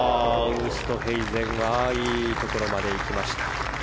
ウーストヘイゼンはいいところまでいきました。